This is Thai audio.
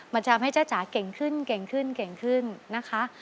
มันจะทำให้จ้าจ๋าเก่งขึ้นเก่งขึ้นเก่งขึ้นนะคะ